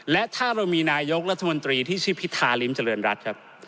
และถ้าเรามีนายกรัฐมนตรีที่ชื่อพิธาริมเจริญรัฐครับ